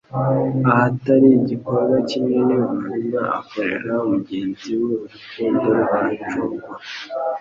Ahatari igikorwa kinini umuntu akorera mugenzi we, urukundo ntacogora,